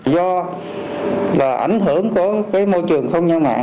do là ảnh hưởng của cái môi trường không gian mạng